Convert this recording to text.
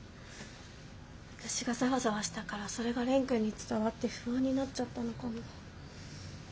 私がザワザワしたからそれが蓮くんに伝わって不安になっちゃったのかも。